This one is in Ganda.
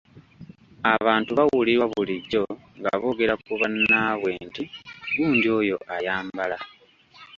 Abantu bawulirwa bulijjo nga boogera ku bannaabwe nti, “Gundi oyo ayambala!